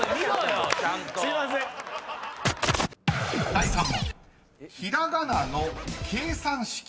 ［第３問］